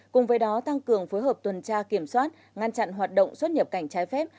cùng với đó tăng cường phối hợp tuần tra kiểm soát ngăn chặn hoạt động xuất nhập cảnh trái phép